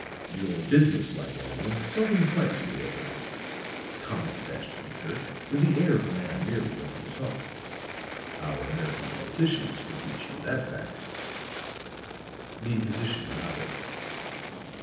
"Your businesslike enemy seldom fights in the open," commented Ashton Kirk with the air of a man merely making talk. "Our American politicians could teach you that fact." The physician nodded.